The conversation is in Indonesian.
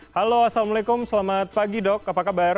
halo assalamualaikum selamat pagi dok apa kabar